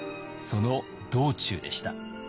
その道中でした。